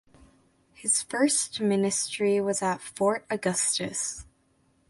His first ministry was at Fort Augustus.